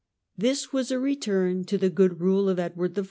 This was a return to the good rule of Edward I.